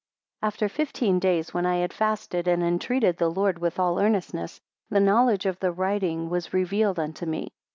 8 After fifteen days, when I had fasted, and entreated the Lord with all earnestness, the knowledge of the writing was revealed unto me.